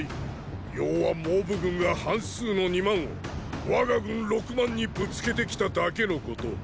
要は蒙武軍が半数の二万を我が軍六万にぶつけてきただけのこと。